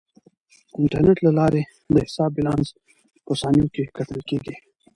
د انټرنیټ له لارې د حساب بیلانس په ثانیو کې کتل کیږي.